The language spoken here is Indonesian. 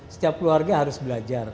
setiap keluarga harus belajar